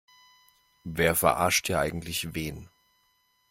Wer verarscht hier eigentlich wen?